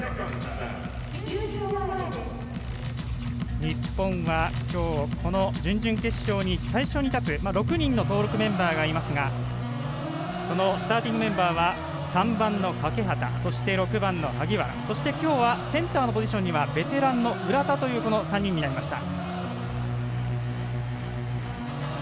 日本はきょう、この準々決勝に最初に立つ６人の登録メンバーがいますがそのスターティングメンバーは３番の欠端そして６番の萩原きょうはセンターのポジションにはベテランの浦田という３人になりました。